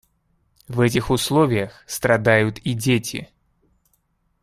В этих условиях страдают и дети.